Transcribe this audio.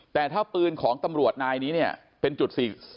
แต่ถ้าปืนของตำรวจนายนี้เนี่ยเป็นจุด๔๔